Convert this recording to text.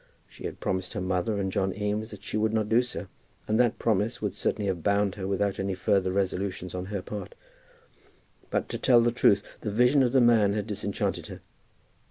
She had promised her mother and John Eames that she would not do so, and that promise would certainly have bound her without any further resolutions on her own part. But, to tell the truth, the vision of the man had disenchanted her.